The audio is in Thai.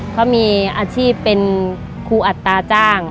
เขามีอาชีพเป็นครูอัตราจ้าง